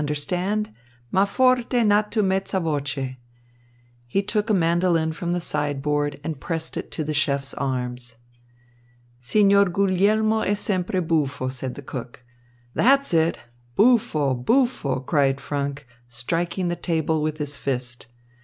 Understand? Ma forte not too mezza voce!" He took a mandolin from the sideboard and pressed it into the chef's arms. "Signor Guglielmo è sempre buffo," said the cook. "That's it buffo, buffo," cried Franck, striking the table with his fist.